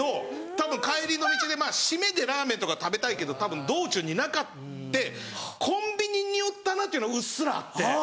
たぶん帰りの道で締めでラーメンとか食べたいけどたぶん道中になかってコンビニに寄ったなっていうのうっすらあって。